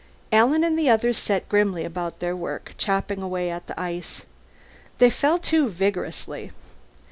Alan and the others set grimly about their work, chopping away at the ice. They fell to vigorously.